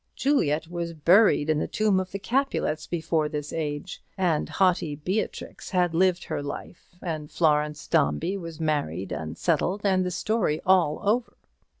Juliet was buried in the tomb of the Capulets before this age, and haughty Beatrix had lived her life, and Florence Dombey was married and settled, and the story all over.